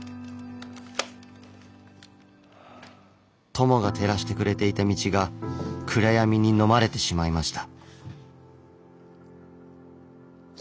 友が照らしてくれていた道が暗闇にのまれてしまいました。